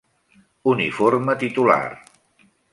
Uniforme titular: